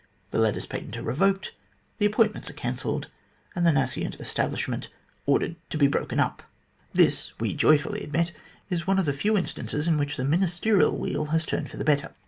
The letters patent are revoked, the appointments are cancelled, and the nascent establishment ordered to be broken up ! "This, we joyfully admit, is one of the few instances in which the Ministerial wheel was turned for the better.